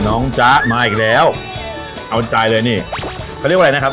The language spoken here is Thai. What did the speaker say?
จ๊ะมาอีกแล้วเอาใจเลยนี่เขาเรียกว่าอะไรนะครับ